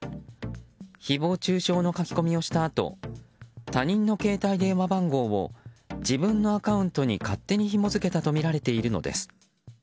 誹謗中傷の書き込みをしたあと他人の携帯電話番号を自分のアカウントに勝手にひも付けたとみられているのです。